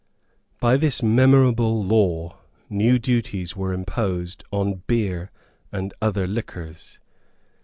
By this memorable law new duties were imposed on beer and other liquors.